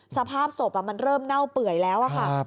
สภาพศพมันเริ่มเน่าเปื่อยแล้วค่ะ